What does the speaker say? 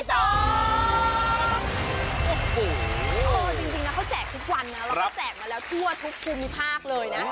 จริงนะเขาแจกทุกวันนะเราก็แจกมาแล้วทั่วทุกคุมภาคเลยนะ